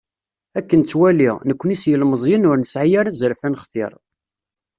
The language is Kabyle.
Akken ttwaliɣ, nekni s yilemẓiyen, ur nesɛi ara azref ad nextir.